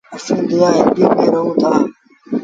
اسيٚݩ ديه هئيدي ميݩ رهوݩ دآ